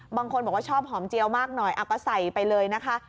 บางคนบอกว่าชอบหอมเจียวมากหน่อยก็ใส่ไปเลยนะคะ